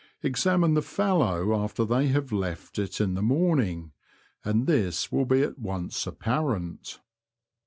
Examine the fallow after they have left it in a morning, and this will be at once apparent.